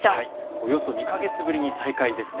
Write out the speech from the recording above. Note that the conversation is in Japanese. およそ２か月ぶりに再開ですね。